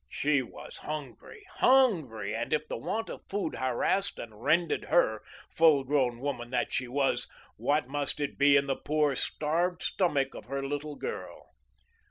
She was hungry, hungry, and if the want of food harassed and rended her, full grown woman that she was, what must it be in the poor, starved stomach of her little girl?